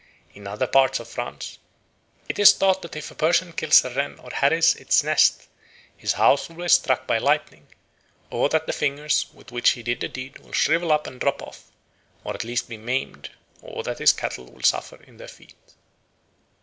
In other parts of France it is thought that if a person kills a wren or harries its nest, his house will be struck by lightning, or that the fingers with which he did the deed will shrivel up and drop off, or at least be maimed, or that his cattle will suffer in their feet.